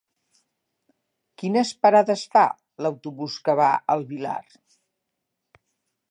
Quines parades fa l'autobús que va al Villar?